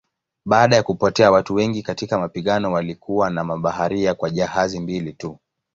Baada ya kupotea watu wengi katika mapigano walikuwa na mabaharia kwa jahazi mbili tu.